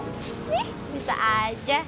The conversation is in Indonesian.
nih bisa aja